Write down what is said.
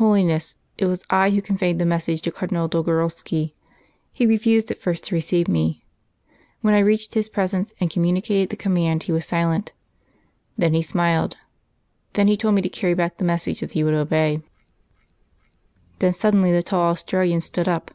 "Holiness, it was I who conveyed the message to Cardinal Dolgorovski. He refused at first to receive me. When I reached his presence and communicated the command he was silent; then he smiled; then he told me to carry back the message that he would obey." Again the Pope was silent. Then suddenly the tall Australian stood up.